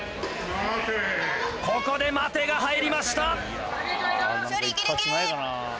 ここで待てが入りました。